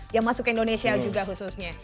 yang masuk ke indonesia juga khususnya